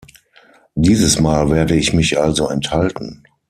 Dieses Mal werde ich mich also enthalten.